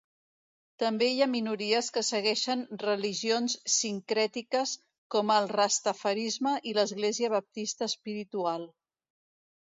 També hi ha minories que segueixen religions sincrètiques com el rastafarisme i l'església baptista espiritual.